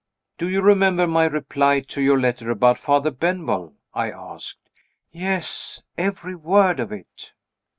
"Do you remember my reply to your letter about Father Benwell?" I asked. "Yes every word of it."